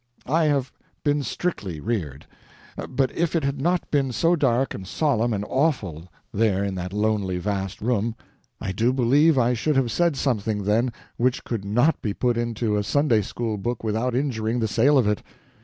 I have been strictly reared, but if it had not been so dark and solemn and awful there in that lonely, vast room, I do believe I should have said something then which could not be put into a Sunday school book without injuring the sale of it.